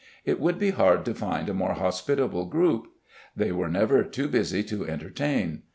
It would be hard to find a more hospitable group. They were never too busy to entertain.